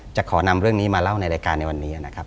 จะขอนำเรื่องนี้มาเล่าในรายการในวันนี้นะครับ